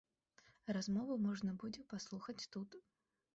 Размову можна будзе паслухаць тут.